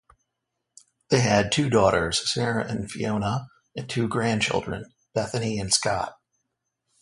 They had two daughters, Sarah and Fiona, and two grandchildren, Bethany and Scott.